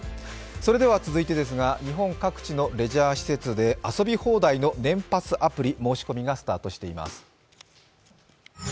それでは続いて、日本各地のレジャー施設で遊び放題の年パスアプリ申し込みがスタートしています。